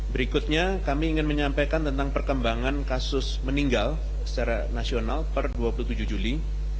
berikutnya kami ingin menyampaikan tentang perkembangan kasus meninggal secara nasional per dua puluh tujuh juli